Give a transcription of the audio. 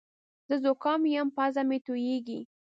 زه زوکام یم پزه مې تویېږې